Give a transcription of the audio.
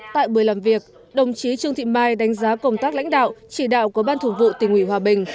tại buổi làm việc đồng chí trương thị mai đánh giá công tác lãnh đạo chỉ đạo của ban thủ vụ tỉnh ủy hòa bình